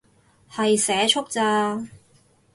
係社畜咋